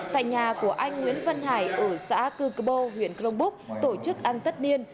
tại nhà của anh nguyễn văn hải ở xã cư cơ bô huyện crong búc tổ chức ăn tất niên